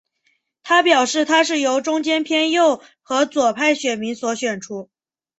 他表示他是由中间偏右和左派选民所选出。